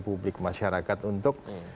publik masyarakat untuk